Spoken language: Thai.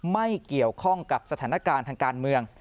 ไม่เกี่ยวข้องกับสถานการณ์ทางการเมือง